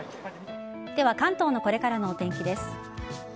では関東のこれからのお天気です。